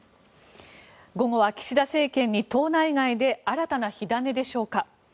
午後は岸田政権に党内外で新たな火種でしょうか。